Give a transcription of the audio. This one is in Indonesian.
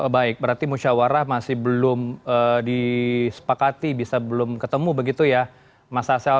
baik berarti musyawarah masih belum disepakati bisa belum ketemu begitu ya mas asel